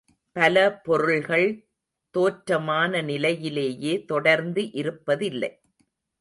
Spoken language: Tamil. பல பொருள்கள் தோற்றமான நிலையிலேயே தொடர்ந்து இருப்பதில்லை.